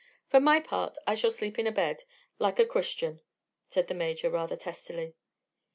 For my part, I shall sleep in a bed; like a Christian," said the Major rather testily.